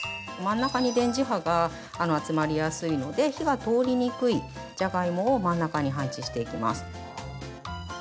真ん中に電磁波が集まりやすいので火が通りにくい、じゃがいもを真ん中に配置していきます。